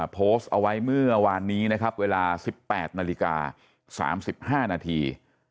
โพสต์เอาไว้เมื่อวานนี้นะครับเวลา๑๘นาฬิกา๓๕นาที